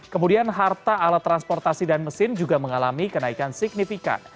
kemudian harta alat transportasi dan mesin juga mengalami kenaikan signifikan